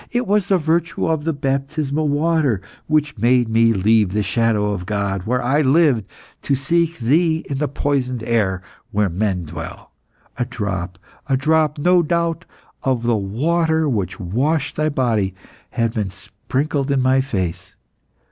It was the virtue of the baptismal water, which made me leave the shadow of God, where I lived, to seek thee in the poisoned air where men dwell. A drop a drop, no doubt, of the water which washed thy body has been sprinkled in my face.